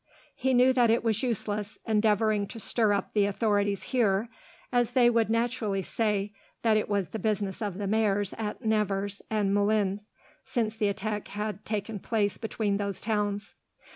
He knew that it was useless, endeavouring to stir up the authorities here, as they would naturally say that it was the business of the mayors at Nevers and Moulins, since the attack had taken place between those towns.